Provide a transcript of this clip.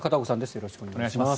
よろしくお願いします。